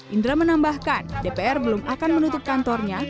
indra menambahkan dpr belum akan menutup kantornya